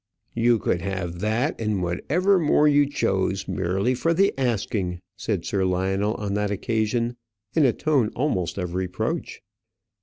"You could have that and whatever more you chose merely for the asking," said Sir Lionel on that occasion, in a tone almost of reproach.